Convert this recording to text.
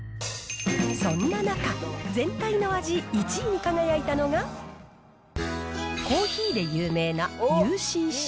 そんな中、全体の味１位に輝いたのが、コーヒーで有名なＵＣＣ